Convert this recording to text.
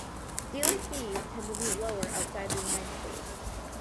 Dealer fees tend to be lower outside the United States.